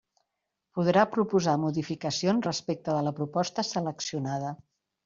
Podrà proposar modificacions respecte de la proposta seleccionada.